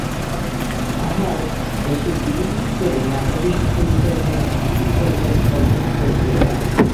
তাঁহার দেশে বিভিন্ন স্তরের মেধাবিশিষ্ট লোকের জন্য বিভিন্ন পর্যায়ের ধর্মমত প্রচলিত আছে।